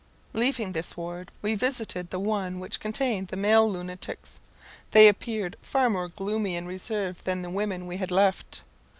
Leaving this ward, we visited the one which contained the male lunatics. They appeared far more gloomy and reserved than the women we had left.